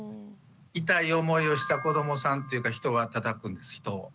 痛い思いをした子どもさんっていうか人はたたくんです人を。